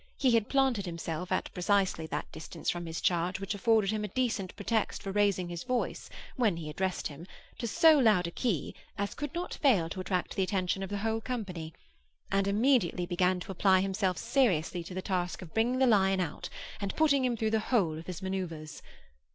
He had planted himself at precisely that distance from his charge which afforded him a decent pretext for raising his voice, when he addressed him, to so loud a key, as could not fail to attract the attention of the whole company, and immediately began to apply himself seriously to the task of bringing the lion out, and putting him through the whole of his manœuvres.